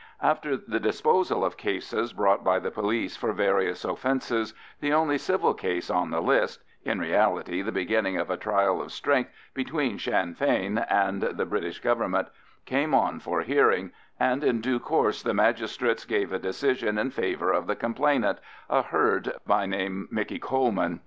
After the disposal of cases brought by the police for various offences, the only civil case on the list—in reality the beginning of a trial of strength between Sinn Fein and the British Government—came on for hearing, and in due course the magistrates gave a decision in favour of the complainant, a herd by name Mickey Coleman.